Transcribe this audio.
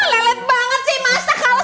lele banget sih masa kalah sama perempuan